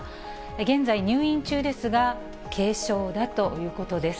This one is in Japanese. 現在、入院中ですが、軽症だということです。